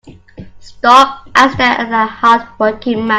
Stop and stare at the hard working man.